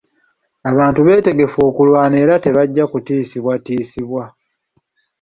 Abantu beetegefu okulwana era tebajja kutiisibwatiisibwa.